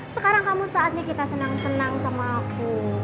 sekarang kamu saatnya kita senang senang sama aku